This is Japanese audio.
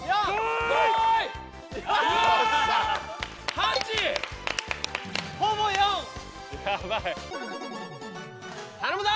８！頼むぞ！